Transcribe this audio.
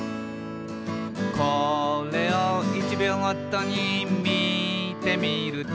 「これを１秒ごとにみてみると」